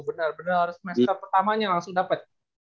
bener bener semester pertamanya langsung dapet